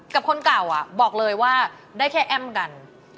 กับคนเก่าบอกเลยว่าได้แค่แอ้มกัน